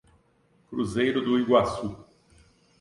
Cruzeiro do Iguaçu